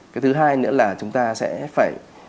cái thứ hai nữa là chúng ta sẽ phải